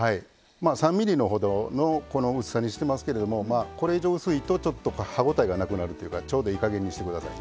３ｍｍほどのこの薄さにしてますけれどもこれ以上薄いとちょっと歯応えがなくなるというかちょうどいい加減にして下さいね。